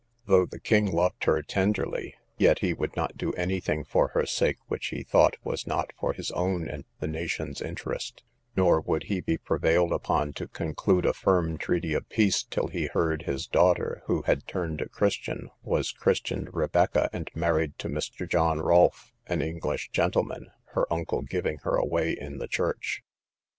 Though the king loved her tenderly, yet he would not do any thing for her sake which he thought was not for his own and the nation's interest; nor would he be prevailed upon to conclude a firm treaty of peace till he heard his daughter, who had turned a Christian, was christened Rebecca, and married to Mr. John Rolfe, an English gentleman, her uncle giving her away in the church.